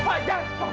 pak gue begini pak